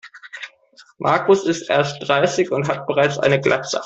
Markus ist erst dreißig und hat bereits eine Glatze.